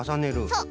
そう。